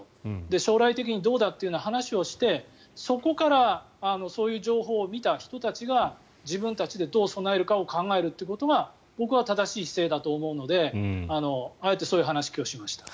将来的にどうだという話をしてそこからそういう情報を見た人たちが自分たちでどう備えるかを考えることが僕は正しい姿勢だと思うのであえてそういう話を今日はしました。